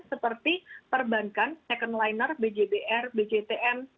seperti perbankan second liner bjbr bctn